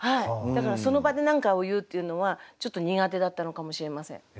だからその場で何かを言うっていうのはちょっと苦手だったのかもしれません。